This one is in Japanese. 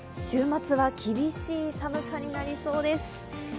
週末は厳しい寒さになりそうです。